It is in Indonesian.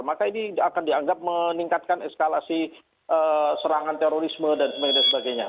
maka ini akan dianggap meningkatkan eskalasi serangan terorisme dan sebagainya